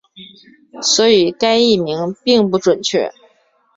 所以该译名并不准确。